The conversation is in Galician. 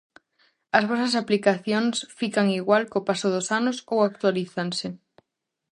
As vosas aplicacións fican igual co paso dos anos ou actualízanse?